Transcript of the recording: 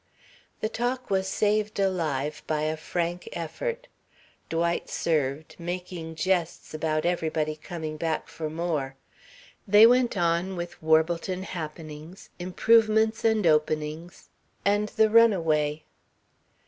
The talk was saved alive by a frank effort. Dwight served, making jests about everybody coming back for more. They went on with Warbleton happenings, improvements and openings; and the runaway.